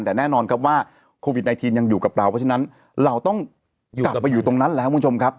แต่แน่นอนครับว่าโควิด๑๙ยังอยู่กับเราเพราะฉะนั้นเราต้องกลับไปอยู่ตรงนั้นแล้วคุณผู้ชมครับ